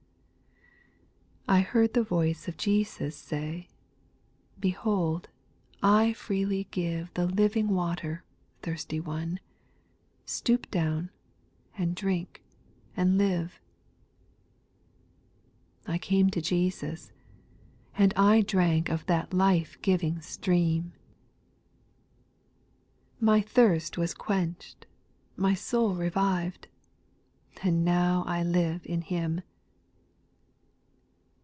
9. I heard the voice of Jesus say, Behold, I freely give The living water, — thirsty one. Stoop down, and drink, and live. I came to Jesus, and I drank Of that life giving stream. My thirst was qucnchM, my soul revived, And now I live in Him.